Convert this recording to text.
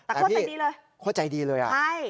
แต่เข้าใจดีเลยใช่